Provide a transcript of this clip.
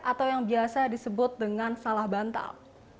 atau yang biasa disebut dengan salah bantal